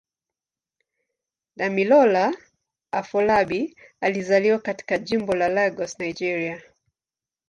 Damilola Afolabi alizaliwa katika Jimbo la Lagos, Nigeria.